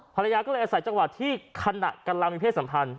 ภรรยาก็เลยอาศัยจังหวะที่ขณะกำลังมีเพศสัมพันธ